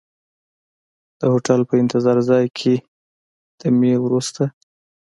د هوټل په انتظار ځای کې دمې وروسته.